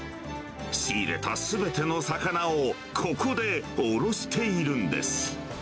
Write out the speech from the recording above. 仕入れたすべての魚をここでおろしているんです。